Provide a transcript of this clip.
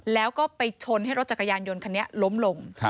แล้วก็ไปชนให้รถจักรยานยนต์คันนี้ล้มลง